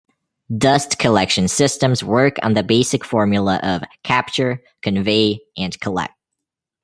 Dust collection systems work on the basic formula of "capture", "convey" and "collect".